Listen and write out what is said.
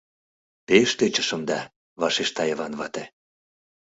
— Пеш тӧчышым да... — вашешта Йыван вате.